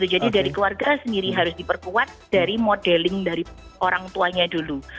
jadi dari keluarga sendiri harus diperkuat dari modeling dari orang tuanya dulu